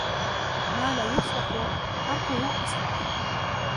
ما لا يُصلَح، تركُهُ أصْلَح.